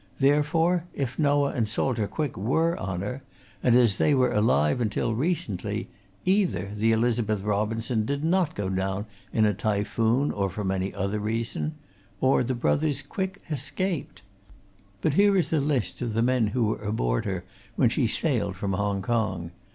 "Therefore, if Noah and Salter Quick were on her, and as they were alive until recently, either the Elizabeth Robinson did not go down in a typhoon, or from any other reason, or the brothers Quick escaped. But here is a list of the men who were aboard when she sailed from Hong Kong.